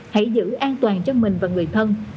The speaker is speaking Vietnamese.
hãy giữ an toàn cho mình và người thân